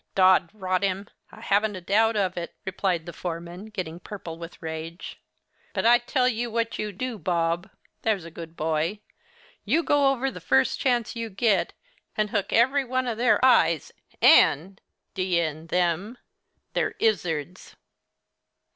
'Dod rot him! I haven't a doubt of it,' replied the foreman, getting purple with rage 'but I tell you what you do, Bob, that's a good boy—you go over the first chance you get and hook every one of their i's and (d——n them!) their izzards.